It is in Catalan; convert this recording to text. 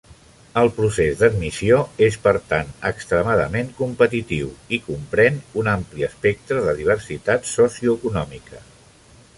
El procés d'admissió és per tant extremadament competitiu, i comprèn un ampli espectre de diversitat socioeconòmica.